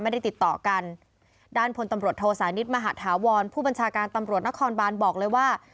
ไม่ได้ติดต่อกันด้านพลตำรวจโทสานิทมหาธาวรผู้บัญชาการตำรวจนครบานบอกเลยว่า